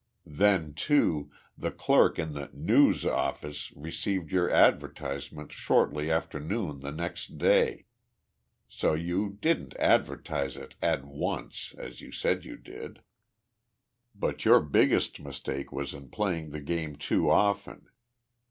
Then, too, the clerk in the News office received your advertisement shortly after noon the next day so you didn't advertise it 'at once,' as you said you did. "But your biggest mistake was in playing the game too often.